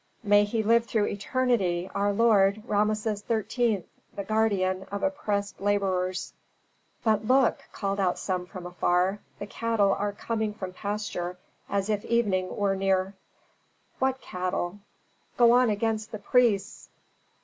"May he live through eternity, our lord, Rameses XIII., the guardian of oppressed laborers!" "But look!" called out some voice from afar, "the cattle are coming from pasture, as if evening were near." "What cattle! Go on against the priests!"